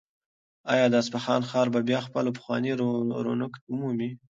آیا د اصفهان ښار به بیا خپل پخوانی رونق ومومي؟